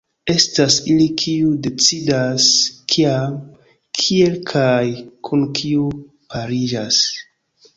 Estas ili kiuj decidas kiam, kiel kaj kun kiu pariĝas.